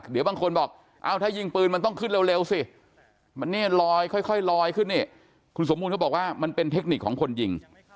เดี๋ยวบางคนบอกเอ้าถ้ายิงปืนมันต้องขึ้นเร็วสิมันเนี่ยลอยค่อยลอยขึ้นนี่คุณสมบูรณ์เขาบอกว่ามันเป็นเทคนิคของคนยิง